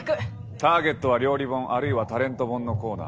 ターゲットは料理本あるいはタレント本のコーナー。